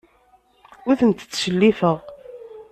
Ur tent-ttcellifeɣ.